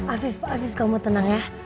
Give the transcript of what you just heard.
afif kamu tenang